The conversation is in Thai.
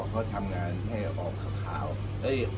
คนบ้างมากมันมันก็ไม่ใช่สำคัญแล้ว